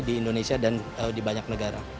di indonesia dan di banyak negara